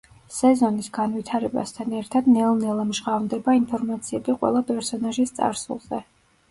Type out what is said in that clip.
სეზონის განვითარებასთან ერთად ნელ-ნელა მჟღავნდება ინფორმაციები ყველა პერსონაჟის წარსულზე.